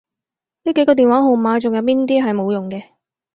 呢幾個電話號碼仲有邊啲係冇用嘅？